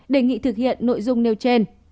đề nghị thực hiện nội dung nêu trên